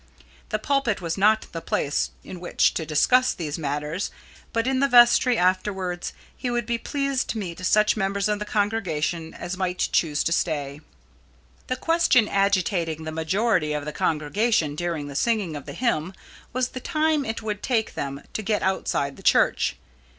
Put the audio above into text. The pulpit was not the place in which to discuss these matters, but in the vestry afterwards he would be pleased to meet such members of the congregation as might choose to stay. The question agitating the majority of the congregation during the singing of the hymn was the time it would take them to get outside the church.